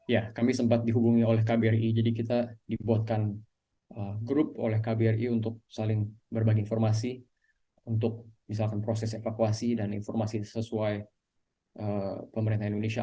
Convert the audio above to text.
ya kami sempat dihubungi oleh kbri jadi kita dibuatkan grup oleh kbri untuk saling berbagi informasi untuk misalkan proses evakuasi dan informasi sesuai pemerintah indonesia